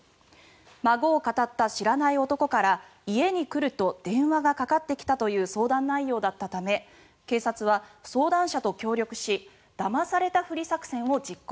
孫をかたった知らない男から家に来ると電話がかかってきたという相談内容だったため警察は相談者と協力しだまされたふり作戦を実行。